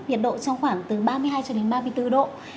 nhiệt độ trong khoảng từ ba mươi hai ba mươi bốn độ